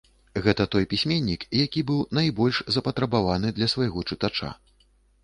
Гэта той пісьменнік, які быў найбольш запатрабаваны для свайго чытача.